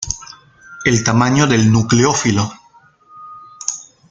El tamaño del nucleófilo.